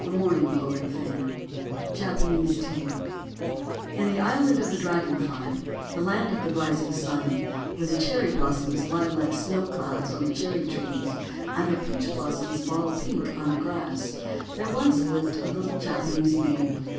THE MORNING GLORY FAN Japanese Tale IN the Island of the Dragon Fly, the Land of the Rising Sun, where the Cherry Blossoms lie like snow clouds on the Cherry Trees, and the Peach Blooms fall pink on the grass, there once lived a little Japanese maid.